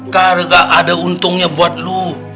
kar gak ada untungnya buat lu